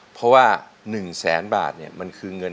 เพราะว่ามันคือ๑แสนบาทเนี่ย